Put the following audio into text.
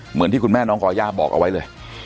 เหมือนที่คุณแม่น้องก่อย่าบอกเอาไว้เลย